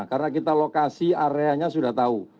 karena kita lokasi areanya sudah tahu